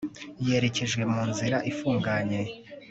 Yerekejwe munzira ifunganye